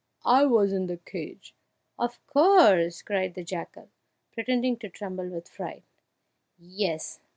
I was in the cage." "Of course!" cried the jackal, pretending to tremble with fright; "yes!